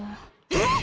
えっ！